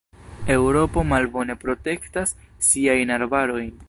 Eŭropo malbone protektas siajn arbarojn.